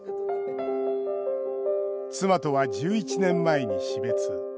妻とは１１年前に死別。